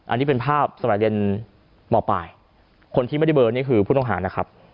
อันนี้เป็นภาพสมัยเรียนหมอปลายคนที่ไม่ได้เบอร์นี่คือผู้ต้องหานะครับ